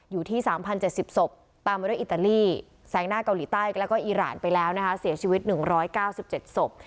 อยู่ที่๓๐๗๐ศพตามมาด้วยอิตาลีแซงหน้าเกาหลีใต้แล้วก็อีรานไปแล้วนะคะเสียชีวิต๑๙๗ศพ